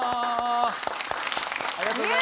ありがとうございます。